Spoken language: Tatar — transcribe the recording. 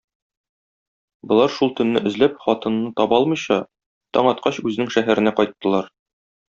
Болар шул төнне эзләп, хатынны таба алмыйча, таң аткач үзенең шәһәренә кайттылар.